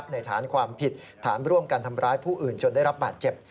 ในฐานความผิดฐานร่วมกันทำร้ายผู้อื่นจนได้รับบาดเจ็บ